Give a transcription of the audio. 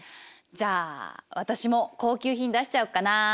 じゃあ私も高級品出しちゃおっかな。